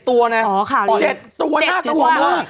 ๗ตัวน่าเกลอมาก